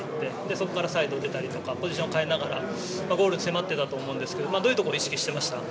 そこからサイドに出たりポジションを変えながらゴールに迫っていたと思うんですけどどういうところ意識してました？